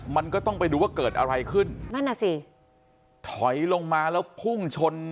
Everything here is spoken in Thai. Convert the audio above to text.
มันก็ต้องไปดูว่าเกิดอะไรขึ้นนั่นน่ะสิถอยลงมาแล้วพุ่งชน